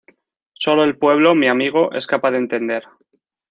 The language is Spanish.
Sólo el pueblo, mi amigo, es capaz de entender.